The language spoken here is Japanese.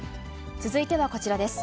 続いてはこちらです。